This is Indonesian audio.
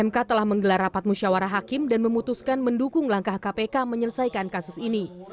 mk telah menggelar rapat musyawarah hakim dan memutuskan mendukung langkah kpk menyelesaikan kasus ini